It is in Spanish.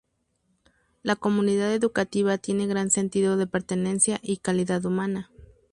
La comunidad educativa tiene gran sentido de Pertenencia y Calidad humana.